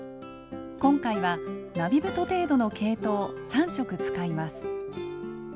今回は並太程度の毛糸を３色使います。